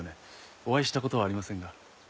お会いした事はありませんが。